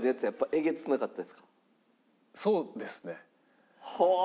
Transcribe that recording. そうですね。はあ！